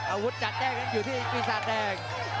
อาวุธจัดแกร่งอยู่ที่ปีศาจแดง